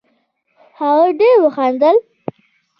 هغه ډېر وخندل